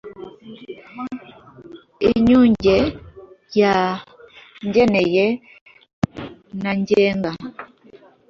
inyunge ya ngenera na ngenga.